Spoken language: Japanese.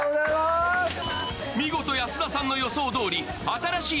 見事、安田さんの予想どおり。